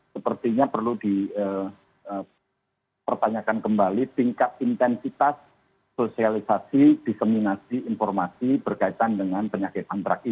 sepertinya perlu di pertanyakan kembali tingkat intensitas sosialisasi diskriminasi informasi berkaitan dengan penyakit antraksi